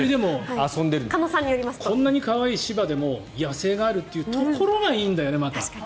こんなに可愛い柴でも野生があるっていうところがいいんだよね、また。